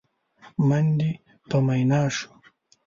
من دې په مينا شو؟!